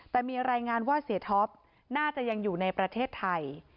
แต่มีรายงานว่าเสียท็อปน่าจะยังอยู่ในประเทศไทย